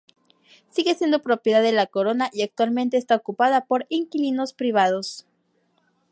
Sigue siendo propiedad de la corona y actualmente está ocupada por inquilinos privados.